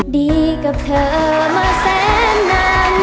ดีกับเธอมาแสนนาน